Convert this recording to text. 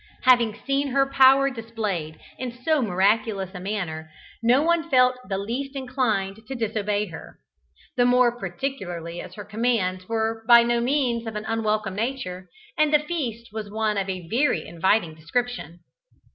Having seen her power displayed in so miraculous a manner, no one felt the least inclined to disobey her, the more particularly as her commands were by no means of an unwelcome nature, and the feast was one of a very inviting description.